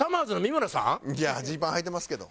いやジーパンはいてますけど。